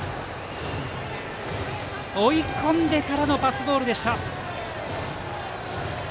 追い込んでからのパスボールでした。